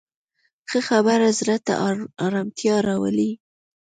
ښه خبره زړه ته ارامتیا راولي